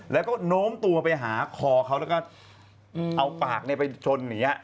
แล้วก็โน้มตัวไปหาคอเขาแล้วก็เอาปากไปชนอย่างนี้